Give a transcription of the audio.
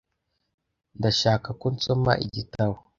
Ndashaka ko nsoma igitabo .